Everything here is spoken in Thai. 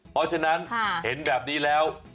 เพราะฉะนั้นเห็นแบบนี้แล้ว